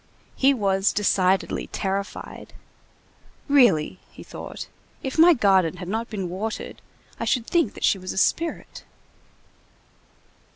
He was decidedly terrified. "Really," he thought, "if my garden had not been watered, I should think that she was a spirit."